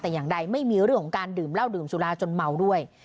แต่อย่างใดไม่มีเรื่องของการดื่มเหล้าดื่มสุราจนเมาด้วย